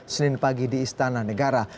senin pagi di istana negara